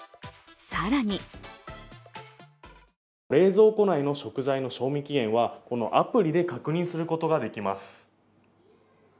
更に冷蔵庫内の食材の賞味期限はこのアプリで確認することができます。